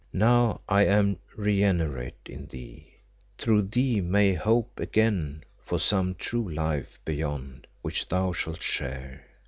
Now I am regenerate in thee through thee may hope again for some true life beyond, which thou shalt share.